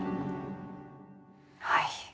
はい。